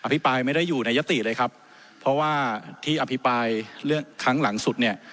พี่ปรายไม่ได้อยู่ในยติเลยครับเพราะว่าที่อภิปรายเรื่องครั้งหลังสุดเนี่ย